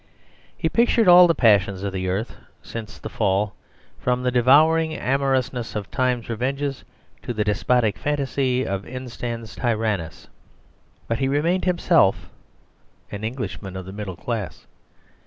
He pictured all the passions of the earth since the Fall, from the devouring amorousness of Time's Revenges to the despotic fantasy of Instans Tyrannus; but he remained himself an Englishman of the middle class.